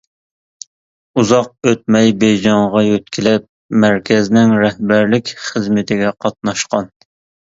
ئۇزاق ئۆتمەي بېيجىڭغا يۆتكىلىپ، مەركەزنىڭ رەھبەرلىك خىزمىتىگە قاتناشقان.